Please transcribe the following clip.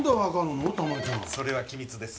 それは機密です。